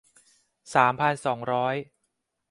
สามพันสองร้อย